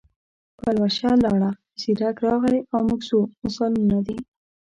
پلوشه لاړه، زیرک راغی او موږ ځو مثالونه دي.